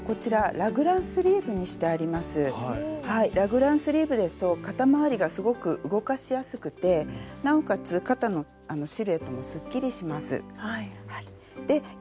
ラグランスリーブですと肩まわりがすごく動かしやすくてなおかつ肩のシルエットもすっきりします。